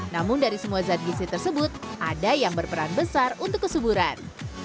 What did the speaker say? namun dari semua zat gizi tersebut ada yang berperan besar untuk kesuburan